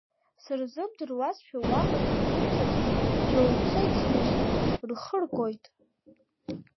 Сырзымдыруазшәа уаҟагь тәымҵас, џьоук цоит сныжьны, рхы ргоит.